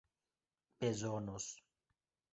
bezonos